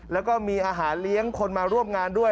แล้วก็มีอาหารเลี้ยงคนมาร่วมงานด้วย